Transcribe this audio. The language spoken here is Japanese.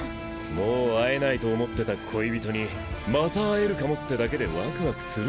もう会えないと思ってた恋人にまた会えるかもってだけでワクワクするだろ？